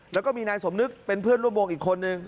แล้วก็มีนายสมนึกเป็นเพื่อนร่วมวงอีกคนนึง